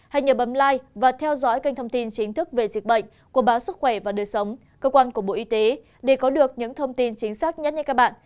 hãy nhớ bấm lai và theo dõi kênh thông tin chính thức về dịch bệnh của báo sức khỏe và đời sống cơ quan của bộ y tế để có được những thông tin chính xác nhất các bạn